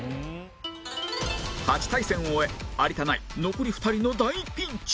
８対戦を終え有田ナイン残り２人の大ピンチ